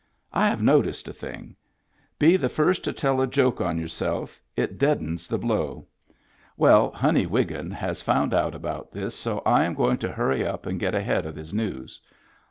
" I have noticed a thing. Be the first to tell a joke on yourself it deadens the blow. Well Digitized by Google SPIT CAT CREEK 77 Honey Wiggin has found out about this so I am going to hurry up and get ahead of his news.